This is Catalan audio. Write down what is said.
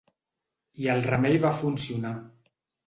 I el remei va funcionar.